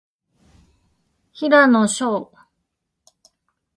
平野紫耀